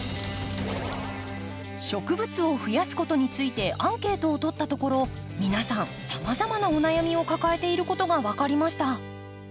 植物を増やすことについてアンケートを取ったところ皆さんさまざまなお悩みを抱えていることが分かりました。